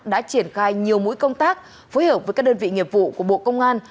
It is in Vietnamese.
đã triển khai nhiều mũi công tác phối hợp với các đơn vị nghiệp vụ của bộ công an